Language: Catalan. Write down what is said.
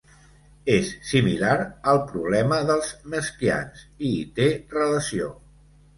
És similar al problema dels meskhians i hi té relació.